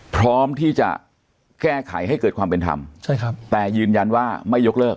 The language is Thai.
พร้อมที่จะแก้ไขให้เกิดความเป็นธรรมใช่ครับแต่ยืนยันว่าไม่ยกเลิก